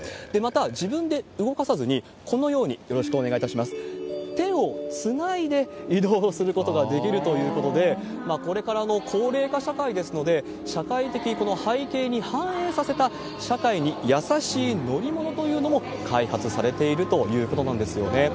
また、自分で動かさずに、このように、よろしくお願いいたします、手をつないで移動することができるということで、これから高齢化社会ですので、社会的背景に反映させた、社会に優しい乗り物というのも、開発されているということなんですよね。